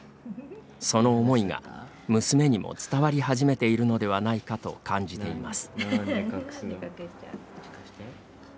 その思いが娘にも伝わり始めているのではないかと感じています。